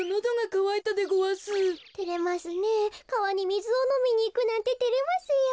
かわにみずをのみにいくなんててれますよ。